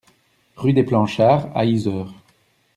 Rue des Planchards à Yzeure